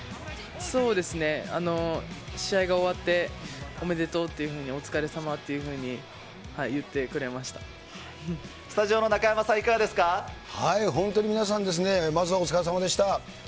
そうですね、試合が終わって、おめでとうっていうふうに、お疲れさまっていうふうに言ってスタジオの中山さん、いかが本当に皆さん、まずはお疲れさまでした。